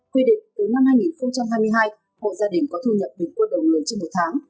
quy định từ năm hai nghìn hai mươi hai hộ gia đình có thu nhập được quân đồng lưỡi trên một tháng